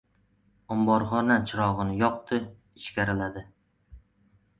Omborxona chirog‘ini yoqdi, ichkariladi.